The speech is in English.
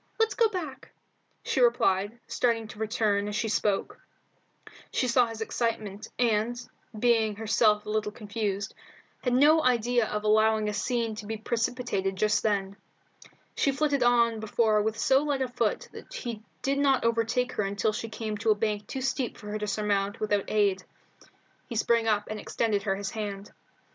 Let's go back," she replied, starting to return as she spoke. She saw his excitement, and, being herself a little confused, had no idea of allowing a scene to be precipitated just then. She flitted on before with so light a foot that he did not overtake her until she came to a bank too steep for her to surmount without aid. He sprang up and extended her his hand.